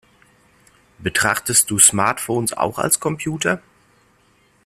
Betrachtest du Smartphones auch als Computer?